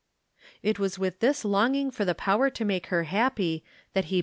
It was with this longing for the power to make her happy that he